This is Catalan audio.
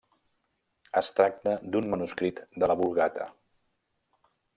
Es tracta d'un manuscrit de la Vulgata.